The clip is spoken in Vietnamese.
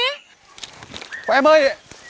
thôi em ơi